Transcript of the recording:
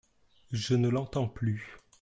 Je ne l'entends plus.